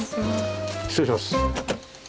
失礼します。